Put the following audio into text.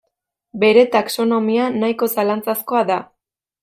Bere taxonomia nahiko zalantzazkoa da.